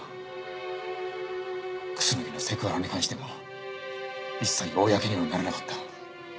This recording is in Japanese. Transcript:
楠木のセクハラに関しても一切公にはならなかった。